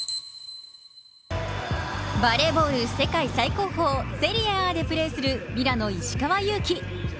バレーボール世界最高峰セリエＡでプレーするミラノ・石川祐希。